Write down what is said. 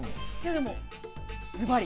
でも、ズバリ。